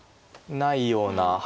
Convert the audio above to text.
ないような。